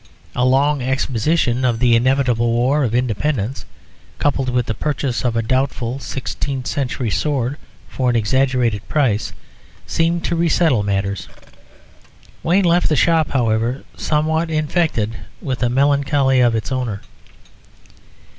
A long exposition of the inevitable war of independence, coupled with the purchase of a doubtful sixteenth century sword for an exaggerated price, seemed to resettle matters. Wayne left the shop, however, somewhat infected with the melancholy of its owner.